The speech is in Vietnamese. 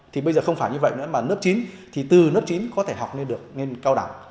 thì bây giờ không phải như vậy nữa mà lớp chín thì từ lớp chín có thể học lên được lên cao đẳng